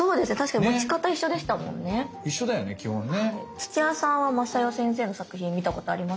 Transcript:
土屋さんはＭａｓａｙｏ先生の作品見たことありますか？